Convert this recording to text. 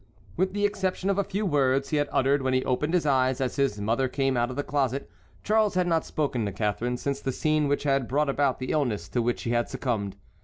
With the exception of the few words he had uttered when he opened his eyes as his mother came out of the closet, Charles had not spoken to Catharine since the scene which had brought about the illness to which he had succumbed.